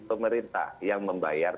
pemerintah yang membayar